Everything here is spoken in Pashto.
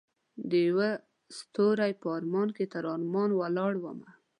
دیوه ستوری په ارمان کې تر ارمان ولاړمه